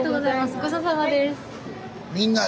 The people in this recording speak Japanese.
ごちそうさまです。